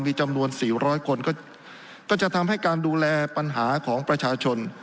มีจำนวนสี่ร้อยคนก็จะทำให้การดูแลปัญหาของประชาชน